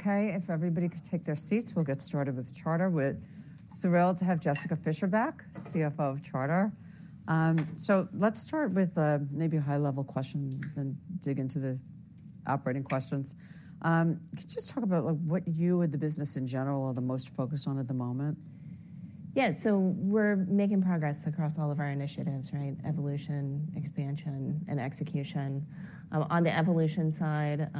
Okay, if everybody could take their seats, we'll get started with Charter. We're thrilled to have Jessica Fischer back, CFO of Charter. So let's start with maybe a high-level question, then dig into the operating questions. Could you just talk about, like, what you and the business in general are the most focused on at the moment? Yeah, so we're making progress across all of our initiatives, right? Evolution, expansion, and execution. On the evolution side,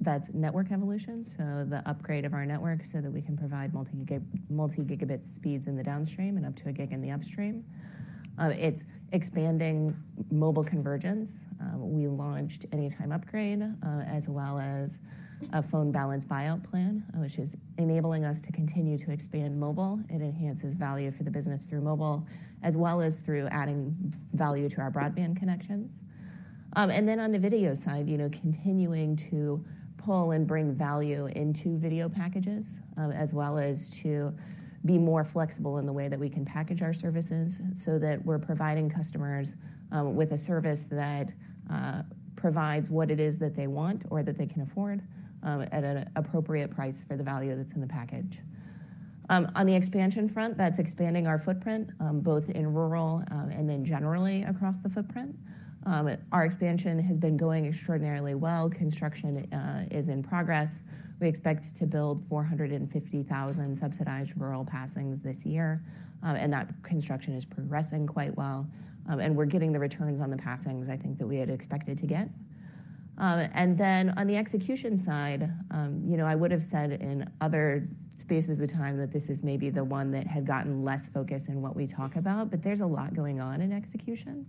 that's network evolution, so the upgrade of our network so that we can provide multi-gigabit speeds in the downstream and up to a gig in the upstream. It's expanding mobile convergence. We launched Anytime Upgrade, as well as a phone balance buyout plan, which is enabling us to continue to expand mobile. It enhances value for the business through mobile, as well as through adding value to our broadband connections. And then on the video side, you know, continuing to pull and bring value into video packages, as well as to be more flexible in the way that we can package our services, so that we're providing customers with a service that provides what it is that they want or that they can afford, at an appropriate price for the value that's in the package. On the expansion front, that's expanding our footprint both in rural and then generally across the footprint. Our expansion has been going extraordinarily well. Construction is in progress. We expect to build 450,000 subsidized rural passings this year, and that construction is progressing quite well. And we're getting the returns on the passings, I think, that we had expected to get. And then on the execution side, you know, I would have said in other spaces of time that this is maybe the one that had gotten less focus in what we talk about, but there's a lot going on in execution.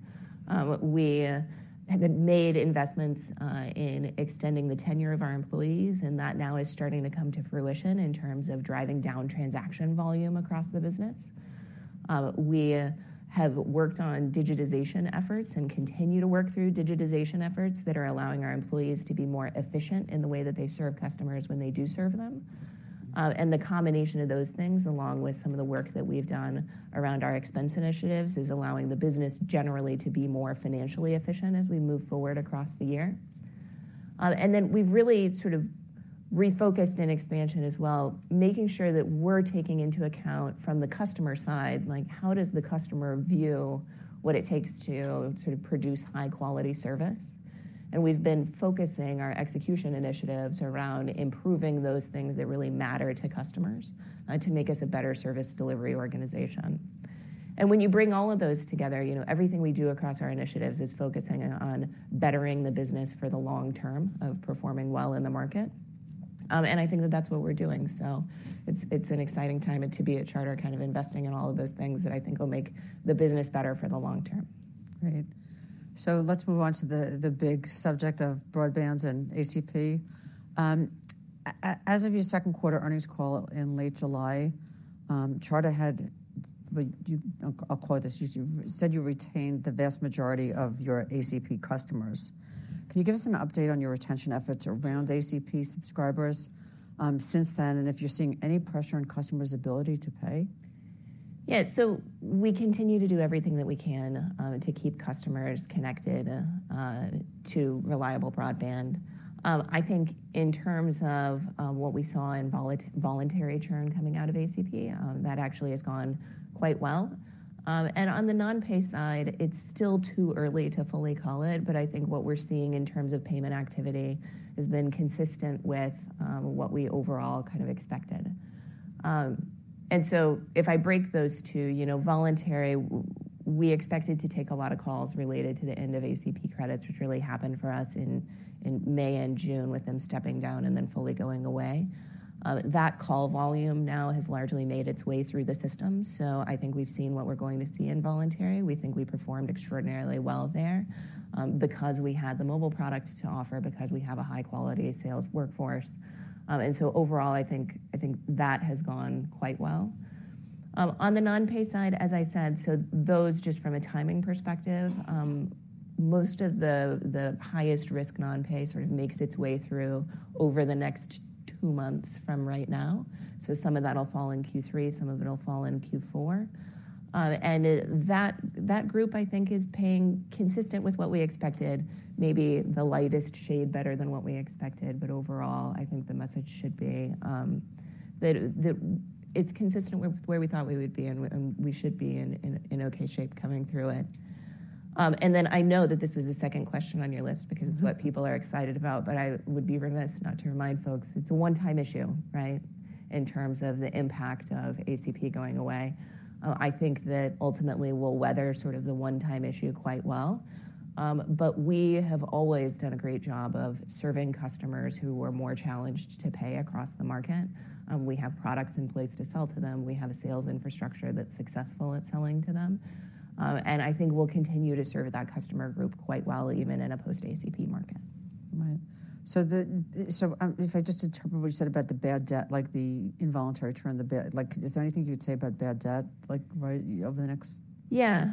We have made investments in extending the tenure of our employees, and that now is starting to come to fruition in terms of driving down transaction volume across the business. We have worked on digitization efforts and continue to work through digitization efforts that are allowing our employees to be more efficient in the way that they serve customers when they do serve them. And the combination of those things, along with some of the work that we've done around our expense initiatives, is allowing the business generally to be more financially efficient as we move forward across the year. And then we've really sort of refocused in expansion as well, making sure that we're taking into account, from the customer side, like, how does the customer view what it takes to sort of produce high-quality service? And we've been focusing our execution initiatives around improving those things that really matter to customers, to make us a better service delivery organization. And when you bring all of those together, you know, everything we do across our initiatives is focusing on bettering the business for the long term of performing well in the market. And I think that that's what we're doing, so it's an exciting time to be at Charter, kind of investing in all of those things that I think will make the business better for the long term. Great. So let's move on to the big subject of broadband and ACP. As of your Q2 earnings call in late July, Charter had... Well, I'll call it this. You said you retained the vast majority of your ACP customers. Can you give us an update on your retention efforts around ACP subscribers since then, and if you're seeing any pressure on customers' ability to pay? Yeah, so we continue to do everything that we can to keep customers connected to reliable broadband. I think in terms of what we saw in voluntary churn coming out of ACP, that actually has gone quite well. And on the non-pay side, it's still too early to fully call it, but I think what we're seeing in terms of payment activity has been consistent with what we overall kind of expected. And so if I break those two, you know, voluntary, we expected to take a lot of calls related to the end of ACP credits, which really happened for us in May and June, with them stepping down and then fully going away. That call volume now has largely made its way through the system, so I think we've seen what we're going to see in voluntary. We think we performed extraordinarily well there, because we had the mobile product to offer, because we have a high-quality sales workforce, and so overall, I think that has gone quite well. On the non-pay side, as I said, so those just from a timing perspective, most of the highest risk non-pay sort of makes its way through over the next two months from right now, so some of that'll fall in Q3, some of it'll fall in Q4, and that group, I think, is paying consistent with what we expected, maybe the lightest shade better than what we expected, but overall, I think the message should be that it's consistent with where we thought we would be, and we should be in okay shape coming through it. And then I know that this is the second question on your list because it's what people are excited about, but I would be remiss not to remind folks, it's a one-time issue, right, in terms of the impact of ACP going away. I think that ultimately we'll weather sort of the one-time issue quite well. But we have always done a great job of serving customers who were more challenged to pay across the market. We have products in place to sell to them. We have a sales infrastructure that's successful at selling to them. And I think we'll continue to serve that customer group quite well, even in a post-ACP market. Right. So, if I just interpret what you said about the bad debt, like the involuntary churn, the bad—like, is there anything you'd say about bad debt, like, right, over the next. Yeah.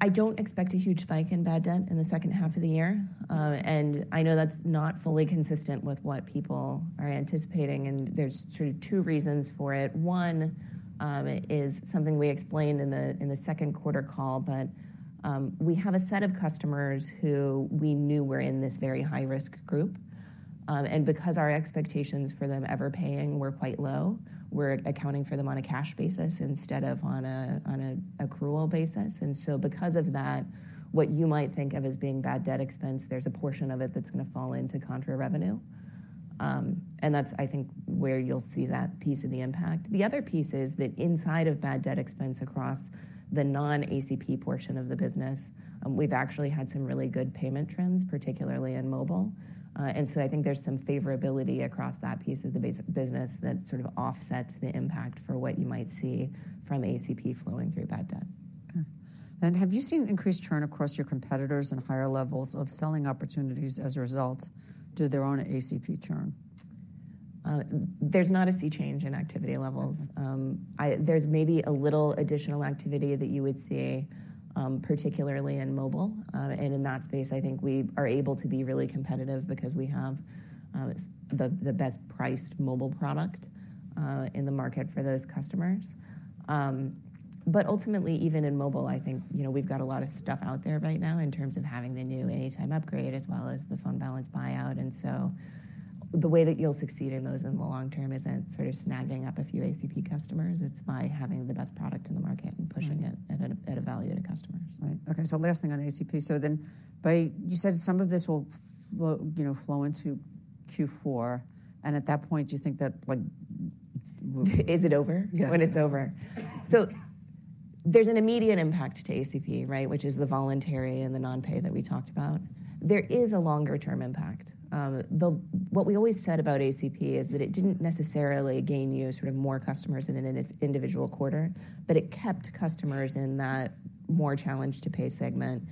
I don't expect a huge spike in bad debt in the second half of the year, and I know that's not fully consistent with what people are anticipating, and there's sort of two reasons for it. One is something we explained in the Q2 call, but we have a set of customers who we knew were in this very high-risk group. And because our expectations for them ever paying were quite low, we're accounting for them on a cash basis instead of on a accrual basis. And so because of that, what you might think of as being bad debt expense, there's a portion of it that's gonna fall into contra revenue. And that's, I think, where you'll see that piece of the impact. The other piece is that inside of bad debt expense across the non-ACP portion of the business, we've actually had some really good payment trends, particularly in mobile. And so I think there's some favorability across that piece of the business that sort of offsets the impact for what you might see from ACP flowing through bad debt. Okay. And have you seen increased churn across your competitors and higher levels of selling opportunities as a result to their own ACP churn? There's not a sea change in activity levels. Okay. There's maybe a little additional activity that you would see, particularly in mobile, and in that space, I think we are able to be really competitive because we have the best-priced mobile product in the market for those customers, but ultimately, even in mobile, I think, you know, we've got a lot of stuff out there right now in terms of having the new Anytime Upgrade, as well as the phone balance buyout, and so the way that you'll succeed in those in the long term isn't sort of snagging up a few ACP customers. It's by having the best product in the market. Right. And pushing it at a value to customers. Right. Okay, so last thing on ACP: so then by... You said some of this will flow, you know, flow into Q4, and at that point, do you think that, like. Is it over? Yes. When it's over. Yeah. There's an immediate impact to ACP, right? Which is the voluntary and the non-pay that we talked about. There is a longer-term impact. What we always said about ACP is that it didn't necessarily gain you sort of more customers in an individual quarter, but it kept customers in that more challenge-to-pay segment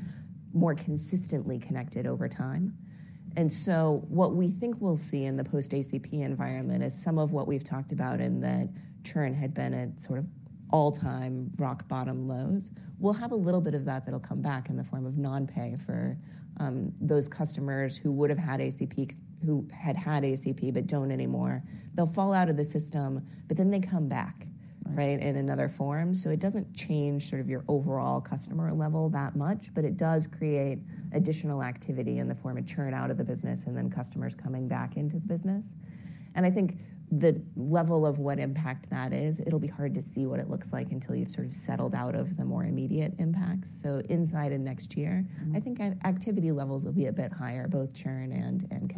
more consistently connected over time, and so what we think we'll see in the post-ACP environment is some of what we've talked about, in that churn had been at sort of all-time rock bottom lows. We'll have a little bit of that that'll come back in the form of non-pay for those customers who would've had ACP who had had ACP, but don't anymore. They'll fall out of the system, but then they come back. Right, in another form. So it doesn't change sort of your overall customer level that much, but it does create additional activity in the form of churn out of the business, and then customers coming back into the business. And I think the level of what impact that is, it'll be hard to see what it looks like until you've sort of settled out of the more immediate impacts. So inside of next year. I think activity levels will be a bit higher, both churn and connect.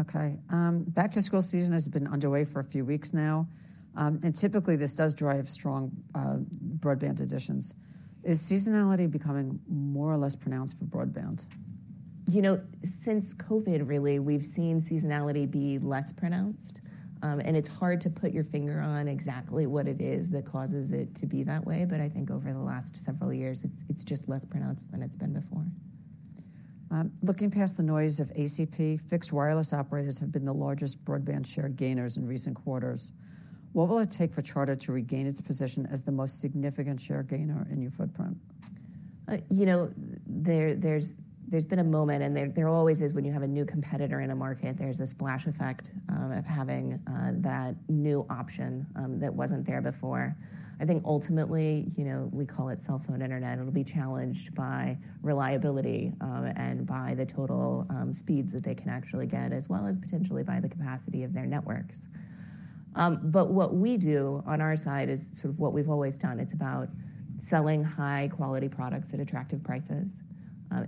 Okay. Back-to-school season has been underway for a few weeks now, and typically, this does drive strong broadband additions. Is seasonality becoming more or less pronounced for broadband? You know, since COVID, really, we've seen seasonality be less pronounced, and it's hard to put your finger on exactly what it is that causes it to be that way, but I think over the last several years, it's just less pronounced than it's been before. Looking past the noise of ACP, fixed wireless operators have been the largest broadband share gainers in recent quarters. What will it take for Charter to regain its position as the most significant share gainer in your footprint? You know, there's been a moment, and there always is when you have a new competitor in a market. There's a splash effect of having that new option that wasn't there before. I think ultimately, you know, we call it cell phone internet. It'll be challenged by reliability and by the total speeds that they can actually get, as well as potentially by the capacity of their networks. But what we do on our side is sort of what we've always done. It's about selling high-quality products at attractive prices.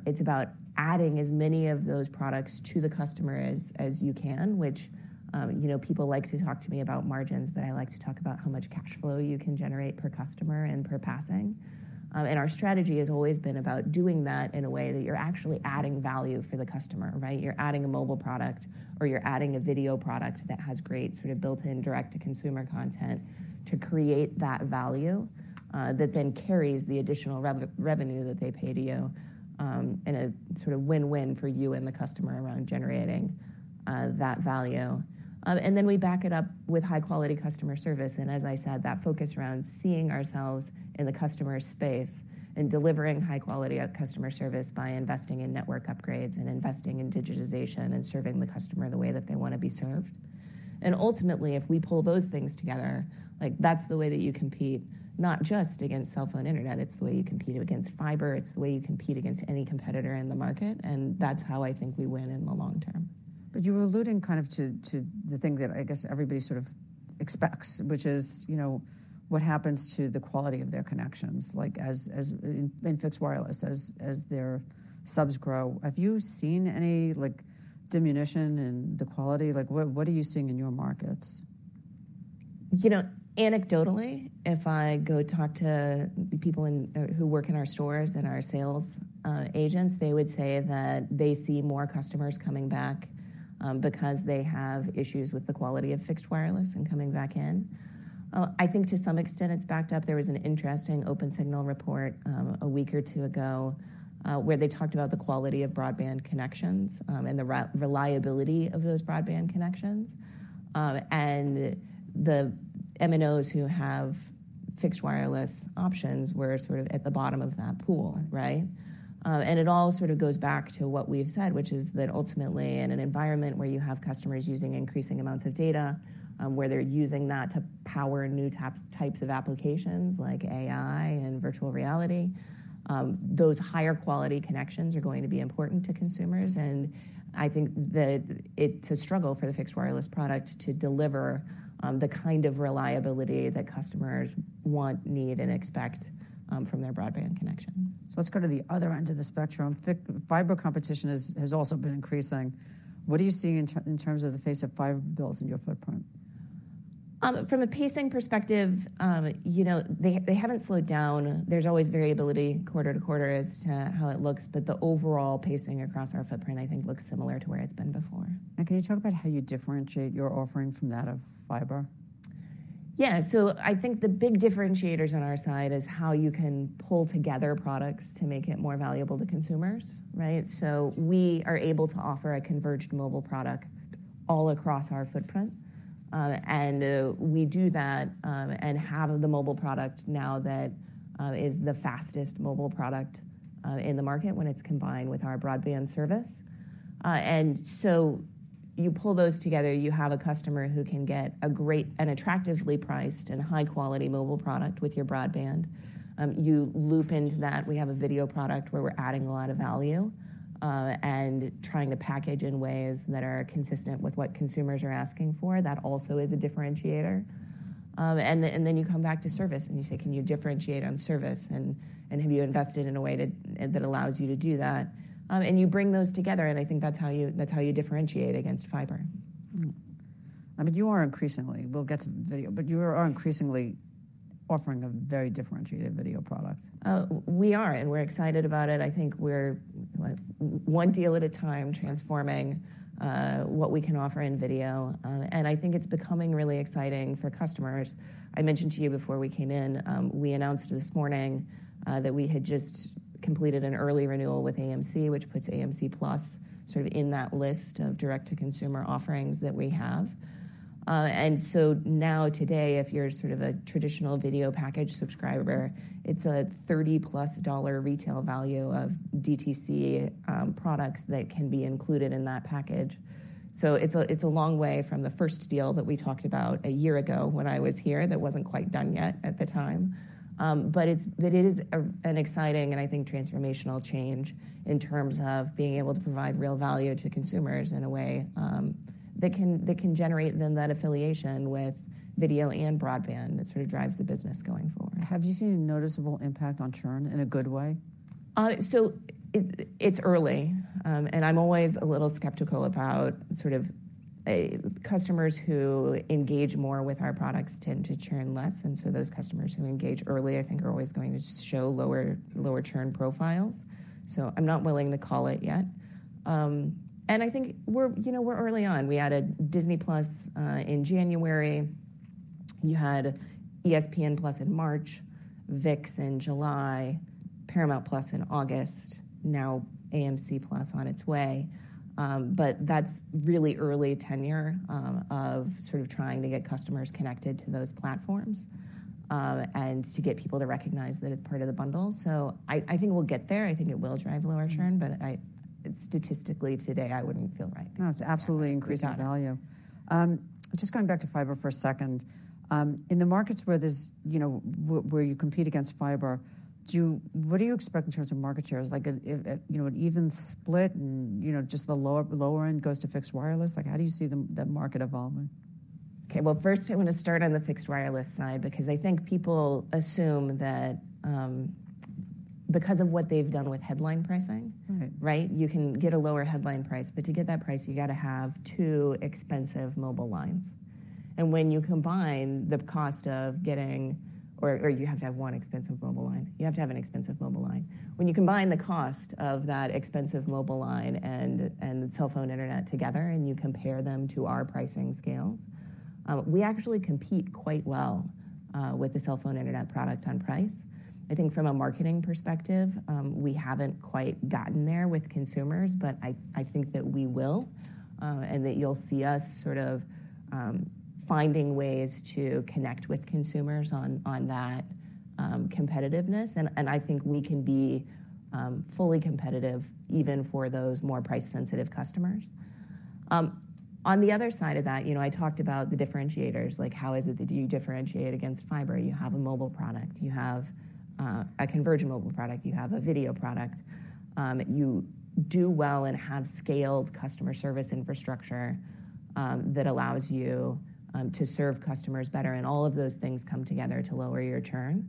It's about adding as many of those products to the customer as you can, which, you know, people like to talk to me about margins, but I like to talk about how much cash flow you can generate per customer and per passing. And our strategy has always been about doing that in a way that you're actually adding value for the customer, right? You're adding a mobile product, or you're adding a video product that has great sort of built-in direct-to-consumer content to create that value, that then carries the additional revenue that they pay to you, in a sort of win-win for you and the customer around generating, that value. And then we back it up with high-quality customer service, and as I said, that focus around seeing ourselves in the customer's space and delivering high quality of customer service by investing in network upgrades and investing in digitization and serving the customer the way that they want to be served. Ultimately, if we pull those things together, like, that's the way that you compete, not just against cell phone internet, it's the way you compete against fiber. It's the way you compete against any competitor in the market, and that's how I think we win in the long term. But you were alluding kind of to the thing that I guess everybody sort of expects, which is, you know, what happens to the quality of their connections? Like, as in fixed wireless, as their subs grow, have you seen any, like, diminution in the quality? Like, what are you seeing in your markets? You know, anecdotally, if I go talk to the people in who work in our stores and our sales agents, they would say that they see more customers coming back because they have issues with the quality of fixed wireless and coming back in. I think to some extent, it's backed up. There was an interesting Opensignal report a week or two ago where they talked about the quality of broadband connections and the reliability of those broadband connections. And the MNOs who have fixed wireless options were sort of at the bottom of that pool, right? And it all sort of goes back to what we've said, which is that ultimately, in an environment where you have customers using increasing amounts of data, where they're using that to power new types of applications like AI and virtual reality, those higher quality connections are going to be important to consumers, and I think that it's a struggle for the fixed wireless product to deliver the kind of reliability that customers want, need, and expect from their broadband connection. So let's go to the other end of the spectrum. Fiber competition has also been increasing. What are you seeing in terms of the pace of fiber builds in your footprint? From a pacing perspective, you know, they haven't slowed down. There's always variability quarter to quarter as to how it looks, but the overall pacing across our footprint, I think, looks similar to where it's been before. Can you talk about how you differentiate your offering from that of fiber? Yeah. So I think the big differentiators on our side is how you can pull together products to make it more valuable to consumers, right? So we are able to offer a converged mobile product all across our footprint. And we do that and have the mobile product now that is the fastest mobile product in the market when it's combined with our broadband service. And so you pull those together, you have a customer who can get an attractively priced and high-quality mobile product with your broadband. You loop into that. We have a video product where we're adding a lot of value and trying to package in ways that are consistent with what consumers are asking for. That also is a differentiator. And then you come back to service, and you say, "Can you differentiate on service? And have you invested in a way that allows you to do that?" And you bring those together, and I think that's how you differentiate against fiber. Mm-hmm. I mean, you are increasingly. We'll get to video, but you are increasingly offering a very differentiated video product. We are, and we're excited about it. I think we're one deal at a time transforming what we can offer in video. And I think it's becoming really exciting for customers. I mentioned to you before we came in, we announced this morning that we had just completed an early renewal with AMC, which puts AMC+ sort of in that list of direct-to-consumer offerings that we have. And so now, today, if you're sort of a traditional video package subscriber, it's a $30+ retail value of DTC products that can be included in that package. So it's a long way from the first deal that we talked about a year ago when I was here, that wasn't quite done yet at the time. But it is an exciting and, I think, transformational change in terms of being able to provide real value to consumers in a way that can generate then that affiliation with video and broadband that sort of drives the business going forward. Have you seen a noticeable impact on churn in a good way? So it's early. And I'm always a little skeptical about sort of customers who engage more with our products tend to churn less, and so those customers who engage early, I think, are always going to show lower churn profiles. So I'm not willing to call it yet. And I think we're, you know, we're early on. We added Disney+ in January. You had ESPN+ in March, ViX in July, Paramount+ in August, now AMC+ on its way. But that's really early tenure of sort of trying to get customers connected to those platforms and to get people to recognize that it's part of the bundle. So I think we'll get there. I think it will drive lower churn but statistically, today, I wouldn't feel right. No, it's absolutely increased value. Just going back to fiber for a second. In the markets where there's, you know, where you compete against fiber, what do you expect in terms of market shares? Like, you know, an even split and, you know, just the lower end goes to fixed wireless? Like, how do you see the market evolving? Okay, well, first, I want to start on the fixed wireless side because I think people assume that, because of what they've done with headline pricing. Right? You can get a lower headline price, but to get that price, you got to have two expensive mobile lines. And when you combine the cost of getting or you have to have one expensive mobile line. You have to have an expensive mobile line. When you combine the cost of that expensive mobile line and the cell phone internet together, and you compare them to our pricing scales, we actually compete quite well with the cell phone internet product on price. I think from a marketing perspective, we haven't quite gotten there with consumers, but I think that we will, and that you'll see us sort of finding ways to connect with consumers on that competitiveness. And I think we can be fully competitive, even for those more price-sensitive customers. On the other side of that, you know, I talked about the differentiators, like, how is it that you differentiate against fiber? You have a mobile product, you have a convergent mobile product, you have a video product, you do well and have scaled customer service infrastructure that allows you to serve customers better, and all of those things come together to lower your churn.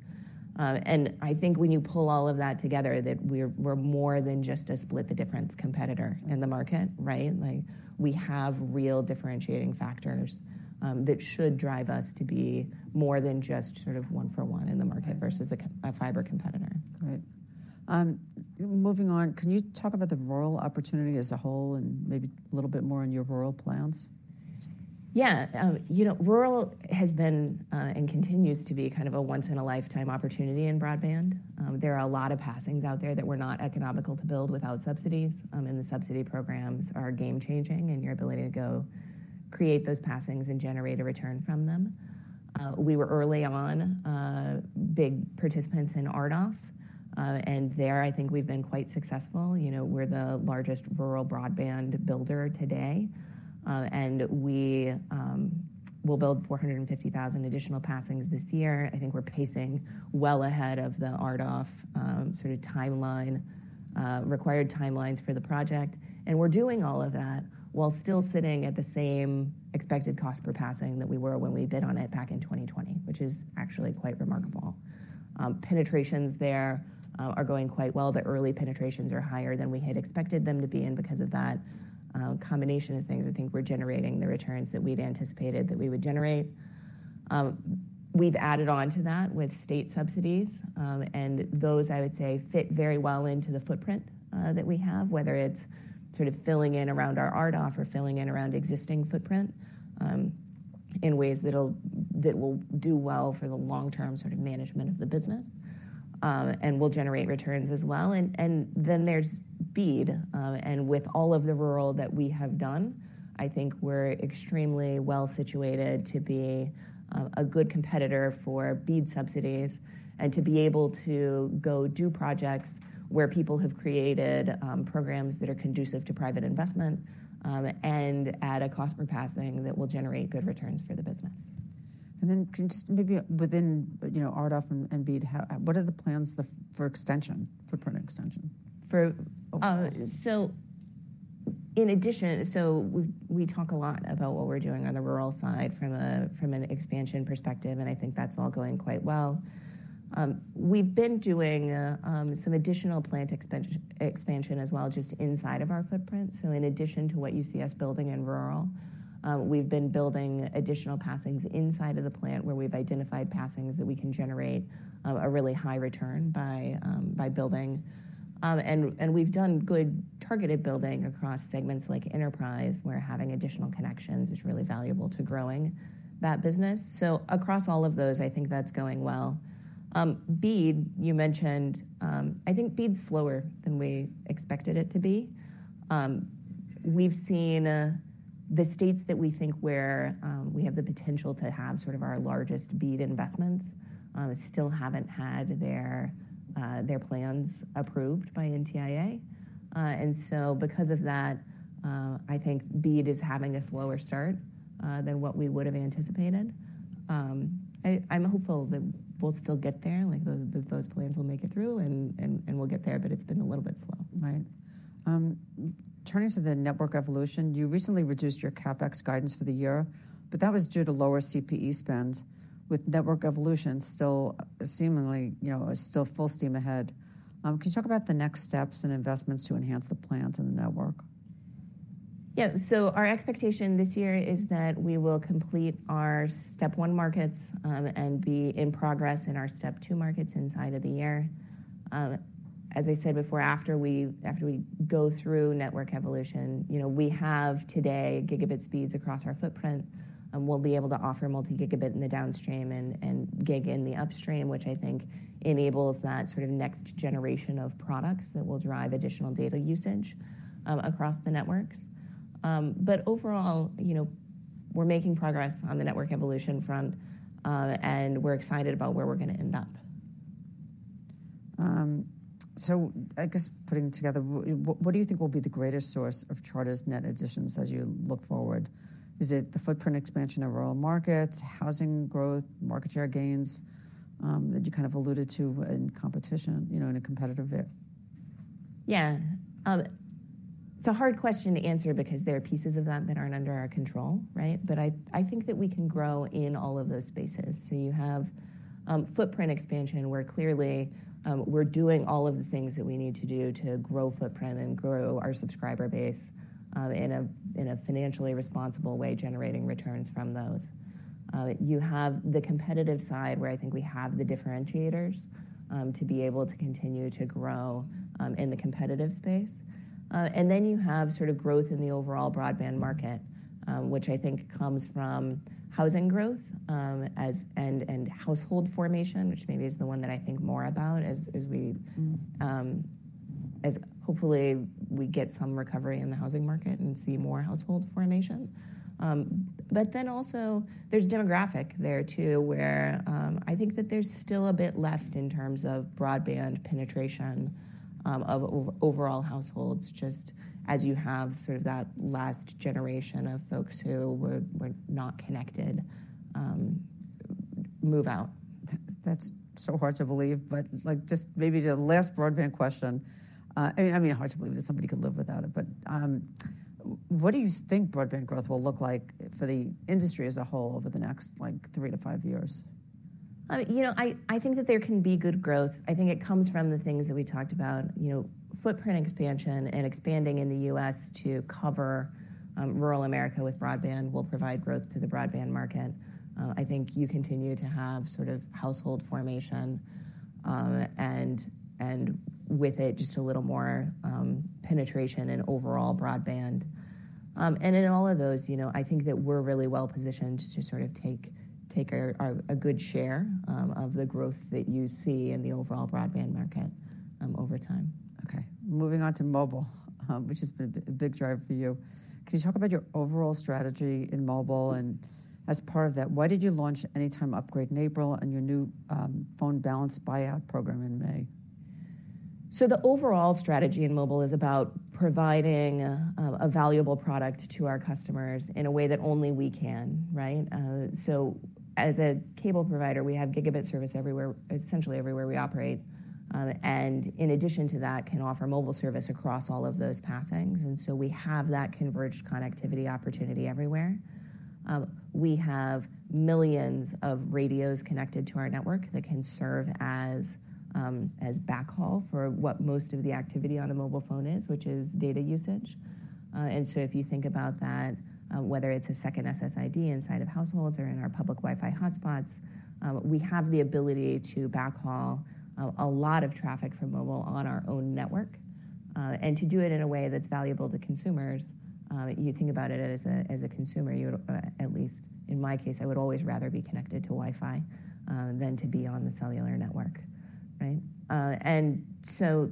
And I think when you pull all of that together, that we're more than just a split-the-difference competitor in the market, right? Like, we have real differentiating factors, that should drive us to be more than just sort of one-for-one in the market versus a fiber competitor. Great. Moving on. Can you talk about the rural opportunity as a whole and maybe a little bit more on your rural plans? Yeah. You know, rural has been, and continues to be kind of a once-in-a-lifetime opportunity in broadband. There are a lot of passings out there that were not economical to build without subsidies, and the subsidy programs are game-changing in your ability to go create those passings and generate a return from them. We were early on, big participants in RDOF. And there, I think we've been quite successful. You know, we're the largest rural broadband builder today, and we will build 450,000 additional passings this year. I think we're pacing well ahead of the RDOF, sort of timeline, required timelines for the project, and we're doing all of that while still sitting at the same expected cost per passing that we were when we bid on it back in 2020, which is actually quite remarkable. Penetrations there are going quite well. The early penetrations are higher than we had expected them to be, and because of that, combination of things, I think we're generating the returns that we'd anticipated that we would generate. We've added on to that with state subsidies, and those, I would say, fit very well into the footprint that we have, whether it's sort of filling in around our RDOF or filling in around existing footprint in ways that will do well for the long-term sort of management of the business, and will generate returns as well. And then there's BEAD. And with all of the rural that we have done, I think we're extremely well situated to be a good competitor for BEAD subsidies and to be able to go do projects where people have created programs that are conducive to private investment, and at a cost per passing that will generate good returns for the business. Just maybe within, you know, RDOF and BEAD, what are the plans there for extension, for BEAD extension? Oh. So in addition, we talk a lot about what we're doing on the rural side from an expansion perspective, and I think that's all going quite well. We've been doing some additional plant expansion as well, just inside of our footprint. So in addition to what you see us building in rural, we've been building additional passings inside of the plant, where we've identified passings that we can generate a really high return by building. And we've done good targeted building across segments like enterprise, where having additional connections is really valuable to growing that business. So across all of those, I think that's going well. BEAD, you mentioned. I think BEAD's slower than we expected it to be. We've seen the states that we think where we have the potential to have sort of our largest BEAD investments still haven't had their plans approved by NTIA, and so because of that I think BEAD is having a slower start than what we would have anticipated. I'm hopeful that we'll still get there, like, those plans will make it through, and we'll get there, but it's been a little bit slow. Right. Turning to the network evolution, you recently reduced your CapEx guidance for the year, but that was due to lower CPE spends, with network evolution still seemingly, you know, still full steam ahead. Can you talk about the next steps and investments to enhance the plans and the network? Yeah. So our expectation this year is that we will complete our Step One markets, and be in progress in our Step Two markets inside of the year. As I said before, after we go through network evolution, you know, we have today gigabit speeds across our footprint, and we'll be able to offer multi-gigabit in the downstream and gig in the upstream, which I think enables that sort of next generation of products that will drive additional data usage across the networks. But overall, you know, we're making progress on the network evolution front, and we're excited about where we're going to end up. So I guess putting it together, what do you think will be the greatest source of Charter's net additions as you look forward? Is it the footprint expansion of rural markets, housing growth, market share gains, that you kind of alluded to in competition, you know, in a competitive view? Yeah. It's a hard question to answer because there are pieces of that that aren't under our control, right? But I think that we can grow in all of those spaces. So you have footprint expansion, where clearly we're doing all of the things that we need to do to grow footprint and grow our subscriber base in a financially responsible way, generating returns from those. You have the competitive side, where I think we have the differentiators to be able to continue to grow in the competitive space. And then you have sort of growth in the overall broadband market, which I think comes from housing growth, as and household formation, which maybe is the one that I think more about as we. Mm. As, hopefully, we get some recovery in the housing market and see more household formation. But then also there's demographic there, too, where, I think that there's still a bit left in terms of broadband penetration, of overall households, just as you have sort of that last generation of folks who were not connected, move out. That's so hard to believe, but, like, just maybe the last broadband question. I mean, hard to believe that somebody could live without it, but, what do you think broadband growth will look like for the industry as a whole over the next, like, three to five years? You know, I think that there can be good growth. I think it comes from the things that we talked about. You know, footprint expansion and expanding in the U.S. to cover rural America with broadband will provide growth to the broadband market. I think you continue to have sort of household formation and with it, just a little more penetration and overall broadband. And in all of those, you know, I think that we're really well positioned to sort of take a good share of the growth that you see in the overall broadband market over time. Okay, moving on to mobile, which has been a big driver for you. Can you talk about your overall strategy in mobile? And as part of that, why did you launch Anytime Upgrade in April and your new phone balance buyout program in May? So the overall strategy in mobile is about providing a valuable product to our customers in a way that only we can, right? So as a cable provider, we have gigabit service everywhere, essentially everywhere we operate, and in addition to that, can offer mobile service across all of those passings. And so we have that converged connectivity opportunity everywhere. We have millions of radios connected to our network that can serve as backhaul for what most of the activity on a mobile phone is, which is data usage. And so if you think about that, whether it's a second SSID inside of households or in our public Wi-Fi hotspots, we have the ability to backhaul a lot of traffic from mobile on our own network. And to do it in a way that's valuable to consumers. You think about it as a consumer. You would, at least in my case, I would always rather be connected to Wi-Fi than to be on the cellular network, right? And so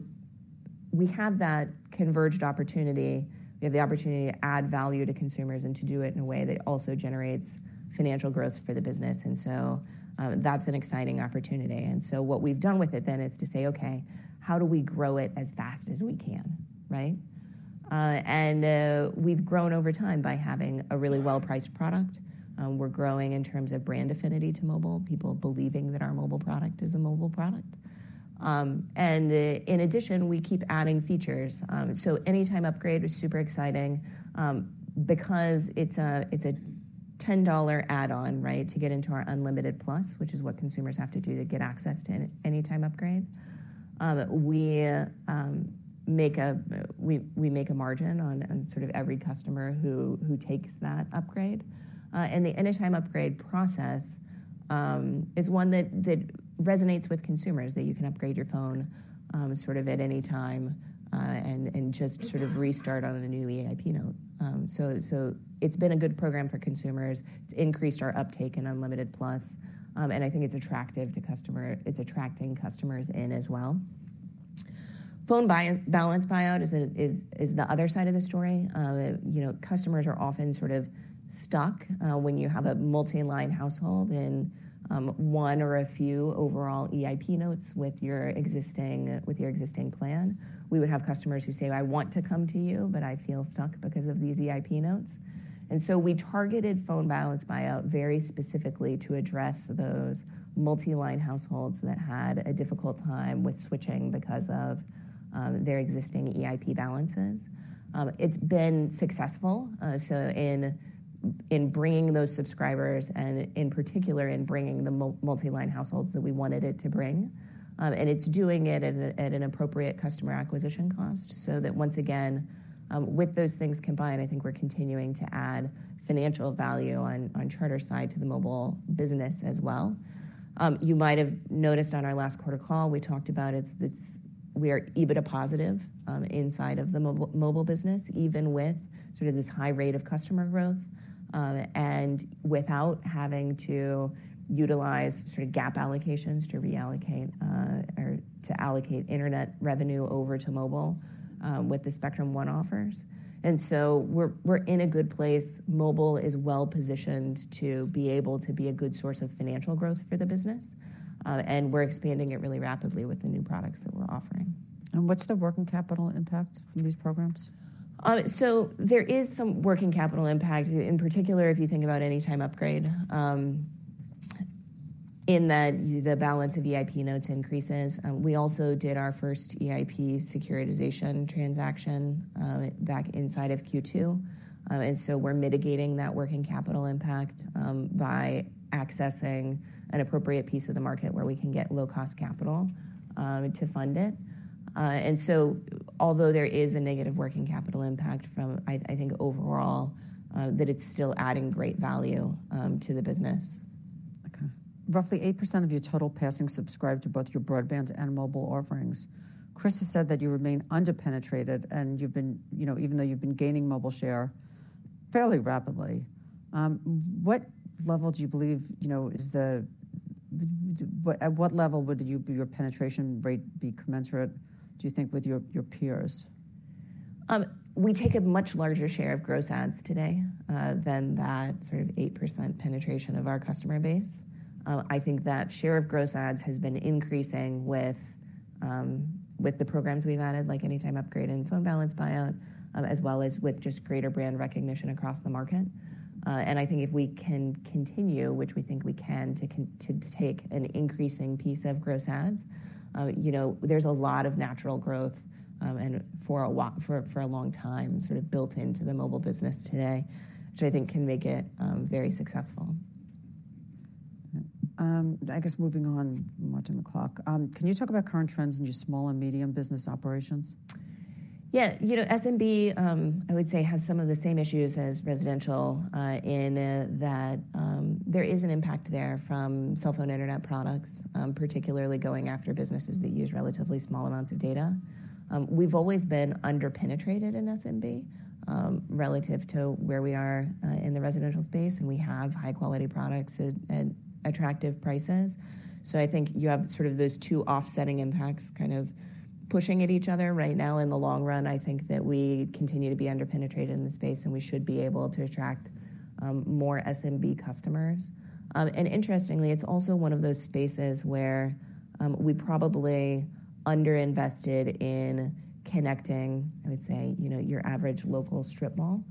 we have that converged opportunity. We have the opportunity to add value to consumers and to do it in a way that also generates financial growth for the business. And so that's an exciting opportunity. And so what we've done with it then is to say, okay, how do we grow it as fast as we can, right? And we've grown over time by having a really well-priced product. We're growing in terms of brand affinity to mobile, people believing that our mobile product is a mobile product. And in addition, we keep adding features. So Anytime Upgrade was super exciting, because it's a $10 add-on, right, to get into our Unlimited Plus, which is what consumers have to do to get access to Anytime Upgrade. We make a margin on sort of every customer who takes that upgrade. And the Anytime Upgrade process is one that resonates with consumers, that you can upgrade your phone sort of at any time, and just sort of restart on a new EIP note. So it's been a good program for consumers. It's increased our uptake in Unlimited Plus, and I think it's attractive to customers. It's attracting customers in as well. Phone balance buyout is the other side of the story. You know, customers are often sort of stuck when you have a multi-line household in one or a few overall EIP notes with your existing plan. We would have customers who say: "I want to come to you, but I feel stuck because of these EIP notes." And so we targeted phone balance buyout very specifically to address those multi-line households that had a difficult time with switching because of their existing EIP balances. It's been successful, so in bringing those subscribers and in particular, in bringing the multi-line households that we wanted it to bring. And it's doing it at an appropriate customer acquisition cost, so that once again, with those things combined, I think we're continuing to add financial value on Charter's side to the mobile business as well. You might have noticed on our last quarter call, we talked about it. We are EBITDA positive inside of the mobile business, even with sort of this high rate of customer growth, and without having to utilize sort of GAAP allocations to reallocate or to allocate internet revenue over to mobile with the Spectrum One offers. And so we're in a good place. Mobile is well-positioned to be able to be a good source of financial growth for the business, and we're expanding it really rapidly with the new products that we're offering. What's the working capital impact from these programs? So there is some working capital impact, in particular, if you think about Anytime Upgrade, in that the balance of EIP notes increases. We also did our first EIP securitization transaction, back inside of Q2. And so we're mitigating that working capital impact, by accessing an appropriate piece of the market where we can get low-cost capital, to fund it. And so although there is a negative working capital impact from... I think overall, that it's still adding great value, to the business. Okay. Roughly 8% of your total passings subscribe to both your broadband and mobile offerings. Chris has said that you remain underpenetrated, and you've been, you know, even though you've been gaining mobile share fairly rapidly, what level do you believe, you know, at what level would your penetration rate be commensurate, do you think, with your peers? We take a much larger share of gross adds today than that sort of 8% penetration of our customer base. I think that share of gross adds has been increasing with the programs we've added, like Anytime Upgrade and phone balance buyout, as well as with just greater brand recognition across the market, and I think if we can continue, which we think we can, to take an increasing piece of gross adds, you know, there's a lot of natural growth, and for a long time, sort of built into the mobile business today, which I think can make it very successful. I guess moving on, watching the clock. Can you talk about current trends in your small and medium business operations? Yeah, you know, SMB, I would say, has some of the same issues as residential, in that there is an impact there from cell phone internet products, particularly going after businesses that use relatively small amounts of data. We've always been underpenetrated in SMB, relative to where we are in the residential space, and we have high-quality products at attractive prices. So I think you have sort of those two offsetting impacts kind of pushing at each other right now. In the long run, I think that we continue to be underpenetrated in the space, and we should be able to attract more SMB customers. Interestingly, it's also one of those spaces where we probably underinvested in connecting, I would say, you know, your average local strip mall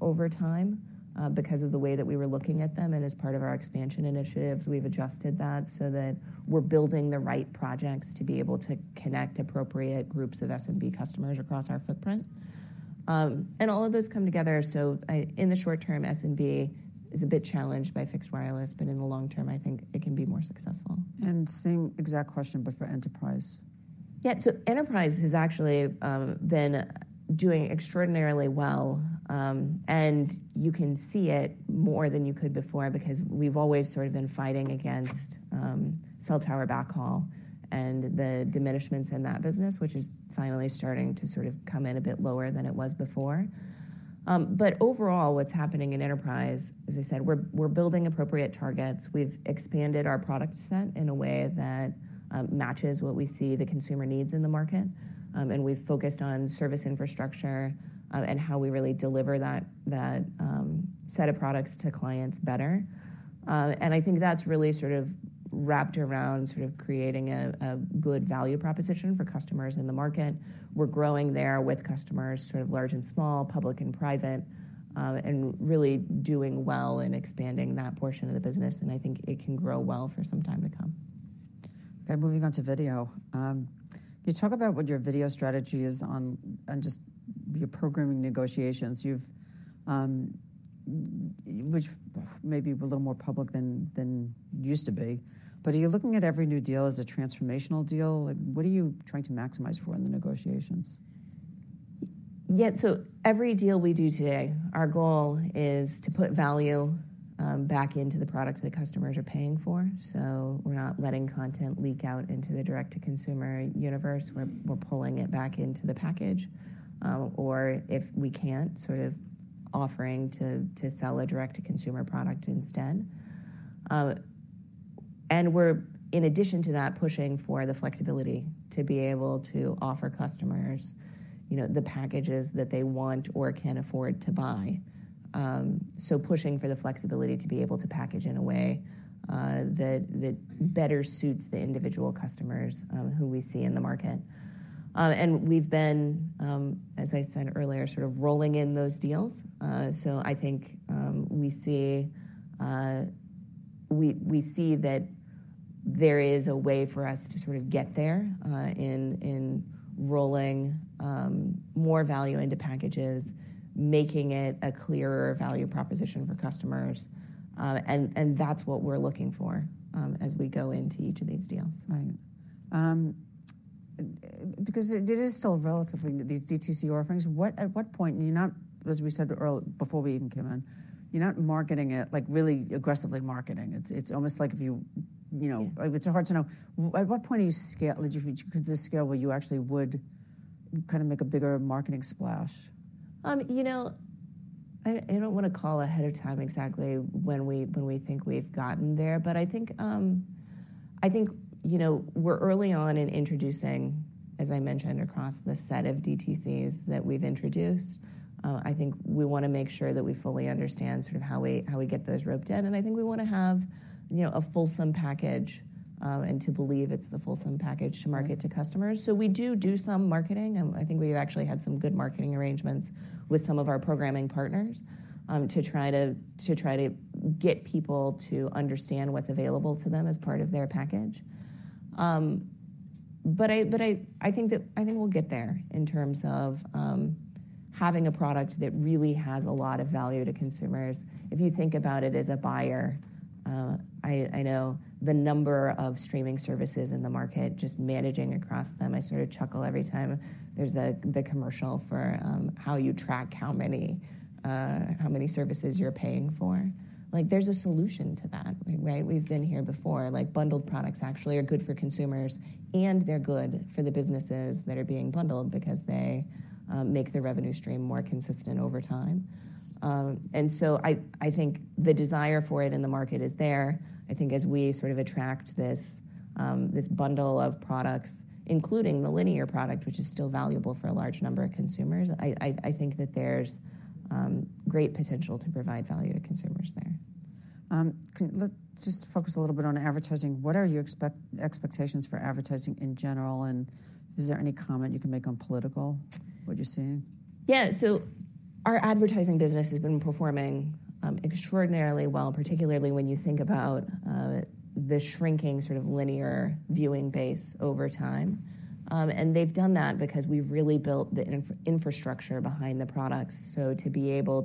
over time because of the way that we were looking at them. As part of our expansion initiatives, we've adjusted that so that we're building the right projects to be able to connect appropriate groups of SMB customers across our footprint. All of those come together, so in the short term, SMB is a bit challenged by fixed wireless, but in the long term, I think it can be more successful. Same exact question, but for enterprise. Yeah. So Enterprise has actually been doing extraordinarily well, and you can see it more than you could before, because we've always sort of been fighting against cell tower backhaul and the diminishments in that business, which is finally starting to sort of come in a bit lower than it was before. But overall, what's happening in Enterprise, as I said, we're building appropriate targets. We've expanded our product set in a way that matches what we see the consumer needs in the market. And we've focused on service infrastructure and how we really deliver that set of products to clients better. And I think that's really sort of wrapped around sort of creating a good value proposition for customers in the market. We're growing there with customers, sort of large and small, public and private, and really doing well in expanding that portion of the business, and I think it can grow well for some time to come. Okay, moving on to video. Can you talk about what your video strategy is on just your programming negotiations? You've, which may be a little more public than it used to be. But are you looking at every new deal as a transformational deal? What are you trying to maximize for in the negotiations? Yeah, so every deal we do today, our goal is to put value back into the product that customers are paying for, so we're not letting content leak out into the direct-to-consumer universe. We're pulling it back into the package, or if we can't, sort of offering to sell a direct-to-consumer product instead. And we're, in addition to that, pushing for the flexibility to be able to offer customers, you know, the packages that they want or can afford to buy. So pushing for the flexibility to be able to package in a way that better suits the individual customers who we see in the market. And we've been, as I said earlier, sort of rolling in those deals. I think we see that there is a way for us to sort of get there in rolling more value into packages, making it a clearer value proposition for customers, and that's what we're looking for as we go into each of these deals. Right. Because it is still relatively new, these DTC offerings. What at what point... You're not, as we said earlier before we even came on, you're not marketing it, like, really aggressively marketing. It's almost like if you, you know, It's hard to know. At what point did you reach the scale where you actually would kind of make a bigger marketing splash? You know, I don't want to call ahead of time exactly when we think we've gotten there, but I think, you know, we're early on in introducing, as I mentioned, across the set of DTCs that we've introduced. I think we want to make sure that we fully understand sort of how we get those roped in. And I think we want to have, you know, a fulsome package, and to believe it's the fulsome package to market to customers. So we do some marketing, and I think we've actually had some good marketing arrangements with some of our programming partners, to try to get people to understand what's available to them as part of their package. I think we'll get there in terms of having a product that really has a lot of value to consumers. If you think about it as a buyer, I know the number of streaming services in the market, just managing across them, I sort of chuckle every time. There's the commercial for how you track how many services you're paying for. Like, there's a solution to that, right? We've been here before. Like, bundled products actually are good for consumers, and they're good for the businesses that are being bundled because they make the revenue stream more consistent over time. And so I think the desire for it in the market is there. I think as we sort of attract this bundle of products, including the linear product, which is still valuable for a large number of consumers, I think that there's great potential to provide value to consumers there. Let's just focus a little bit on advertising. What are your expectations for advertising in general, and is there any comment you can make on political, would you say? Yeah. So our advertising business has been performing extraordinarily well, particularly when you think about the shrinking sort of linear viewing base over time. And they've done that because we've really built the infrastructure behind the products. So to be able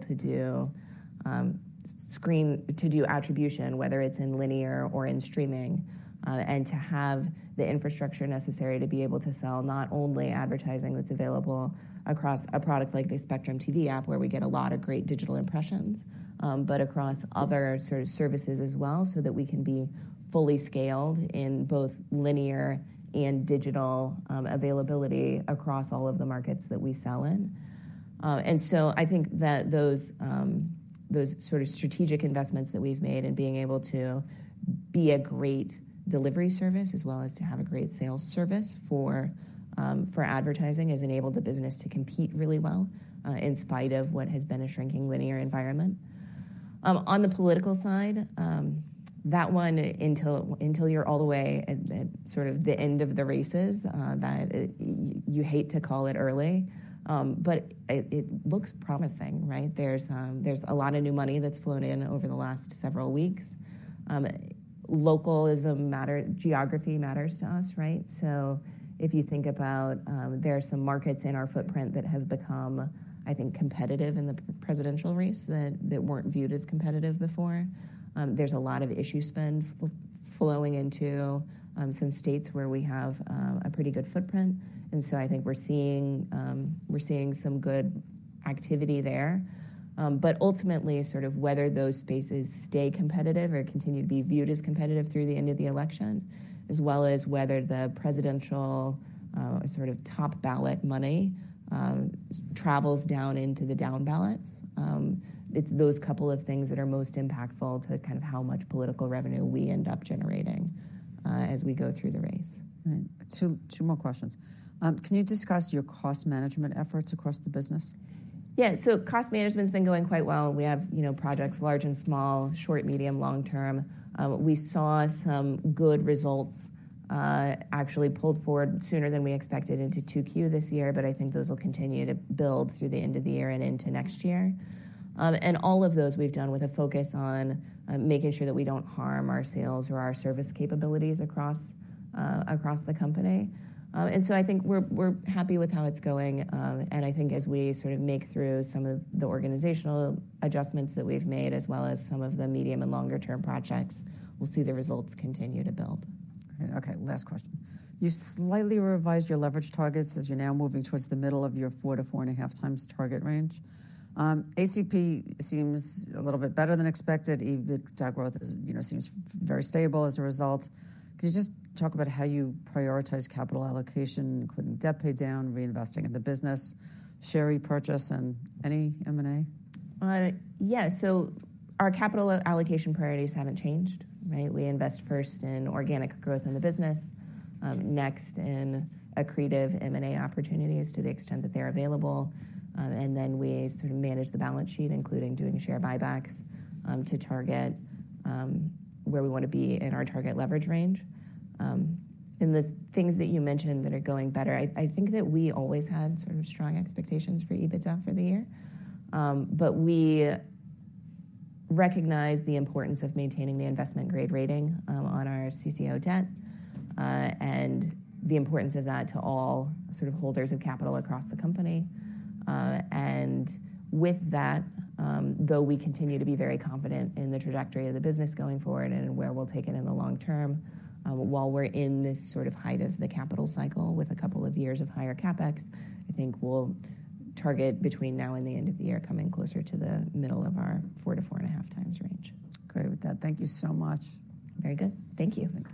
to do attribution, whether it's in linear or in streaming, and to have the infrastructure necessary to be able to sell not only advertising that's available across a product like the Spectrum TV App, where we get a lot of great digital impressions, but across other sort of services as well, so that we can be fully scaled in both linear and digital availability across all of the markets that we sell in. And so I think that those sort of strategic investments that we've made and being able to. Be a great delivery service, as well as to have a great sales service for, for advertising, has enabled the business to compete really well, in spite of what has been a shrinking linear environment. On the political side, that one, until you're all the way at sort of the end of the races, you hate to call it early, but it looks promising, right? There's a lot of new money that's flowed in over the last several weeks. Geography matters to us, right? So if you think about, there are some markets in our footprint that have become, I think, competitive in the presidential race, that weren't viewed as competitive before. There's a lot of issue spend flowing into some states where we have a pretty good footprint, and so I think we're seeing some good activity there, but ultimately, sort of whether those spaces stay competitive or continue to be viewed as competitive through the end of the election, as well as whether the presidential sort of top ballot money travels down into the down ballots, it's those couple of things that are most impactful to kind of how much political revenue we end up generating as we go through the race. All right. Two more questions. Can you discuss your cost management efforts across the business? Yeah, so cost management's been going quite well. We have, you know, projects large and small, short, medium, long term. We saw some good results, actually pulled forward sooner than we expected into Q2 this year, but I think those will continue to build through the end of the year and into next year, and all of those we've done with a focus on making sure that we don't harm our sales or our service capabilities across the company, and so I think we're happy with how it's going, and I think as we sort of make through some of the organizational adjustments that we've made, as well as some of the medium- and longer-term projects, we'll see the results continue to build. Okay, last question. You slightly revised your leverage targets, as you're now moving towards the middle of your 4.0x to 4.5x target range. ACP seems a little bit better than expected. EBITDA growth is, you know, seems very stable as a result. Could you just talk about how you prioritize capital allocation, including debt paydown, reinvesting in the business, share repurchase, and any M&A? Yeah, so our capital allocation priorities haven't changed, right? We invest first in organic growth in the business, next, in accretive M&A opportunities to the extent that they're available, and then we sort of manage the balance sheet, including doing share buybacks, to target, where we want to be in our target leverage range. And the things that you mentioned that are going better, I think that we always had sort of strong expectations for EBITDA for the year. But we recognize the importance of maintaining the investment grade rating, on our CCO debt, and the importance of that to all sort of holders of capital across the company. And with that, though we continue to be very confident in the trajectory of the business going forward and where we'll take it in the long term, while we're in this sort of height of the capital cycle with a couple of years of higher CapEx, I think we'll target between now and the end of the year, coming closer to the middle of our 4.0x to 4.5x range. Agree with that. Thank you so much. Very good. Thank you.